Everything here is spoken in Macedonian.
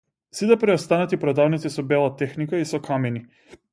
Сите преостанати продавници со бела техника и со камини.